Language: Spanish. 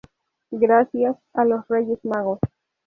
gracias. a los Reyes Magos.